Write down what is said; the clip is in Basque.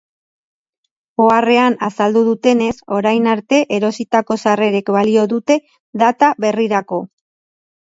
Oharrean azaldu dutenez, orain arte erositako sarrerek balio dute data berrirako.